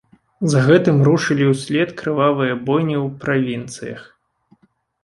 За гэтым рушылі ўслед крывавыя бойні ў правінцыях.